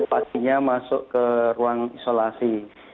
paginya masuk ke ruang isolasi